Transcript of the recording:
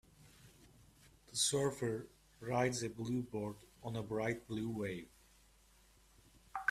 The surfer rides a blue board on a bright blue wave.